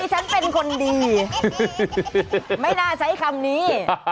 ฉันเป็นคนดีไม่น่าใช้คำนี้